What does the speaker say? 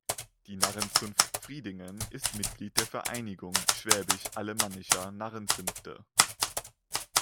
Die Narrenzunft Fridingen ist Mitglied der Vereinigung schwäbisch-alemannischer Narrenzünfte.